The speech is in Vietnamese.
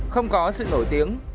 không có sự nổi tiếng